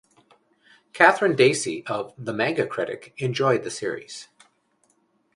Katherine Dacey of "The Manga Critic" enjoyed the series.